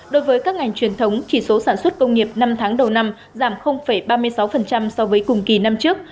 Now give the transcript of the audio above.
đối với các ngành truyền thống chỉ số sản xuất công nghiệp năm tháng đầu năm giảm ba mươi sáu so với cùng kỳ năm trước